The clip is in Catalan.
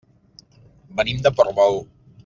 Venim de Portbou.